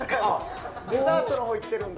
デザートのほういってるんだ。